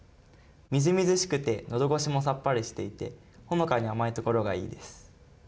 みずみずしくてのどごしもさっぱりしていてほのかに甘いところがいいです。